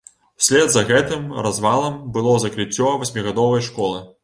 Услед за гэтым развалам было закрыццё васьмігадовай школы.